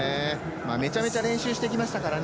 めちゃめちゃ練習してきましたからね